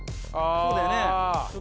そうだよね。